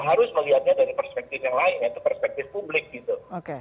harus melihatnya dari perspektif yang lain yaitu perspektif publik gitu